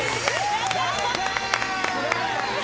やった！